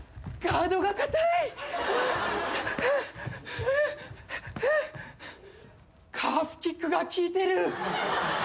カーフキックが効いてる。